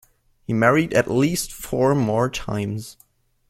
He married at least four more times.